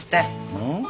うん？